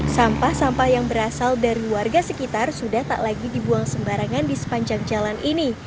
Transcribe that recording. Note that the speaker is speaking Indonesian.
sampah sampah yang berasal dari warga sekitar sudah tak lagi dibuang sembarangan di sepanjang jalan ini